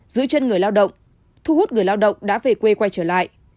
giữ chân người lao động thu hút người lao động đã về quê quay trở lại